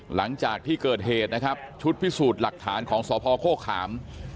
หลังจากที่เกิดเหตุนะครับชุดพิสูจน์หลักฐานของสพโฆขาม